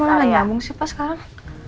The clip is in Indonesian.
aku malah nggak nyambung sih pak sekarang